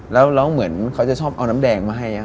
แล้วร้องเหมือนเขาจะชอบเอาน้ำแดงมาให้